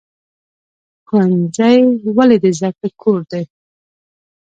ښوونځی ولې د زده کړې کور دی؟